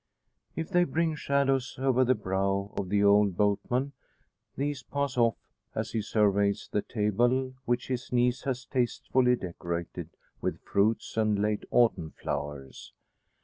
If they bring shadows over the brow of the old boatman, these pass off, as he surveys the table which his niece has tastefully decorated with fruits and late autumn flowers.